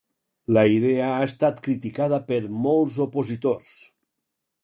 La idea ha estat criticada per molts opositors.